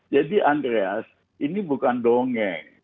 jadi andreas ini bukan dongeng